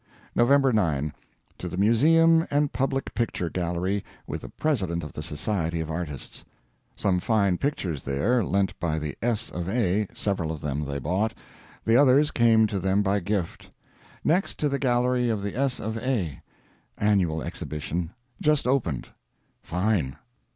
November 9. To the museum and public picture gallery with the president of the Society of Artists. Some fine pictures there, lent by the S. of A. several of them they bought, the others came to them by gift. Next, to the gallery of the S. of A. annual exhibition just opened. Fine.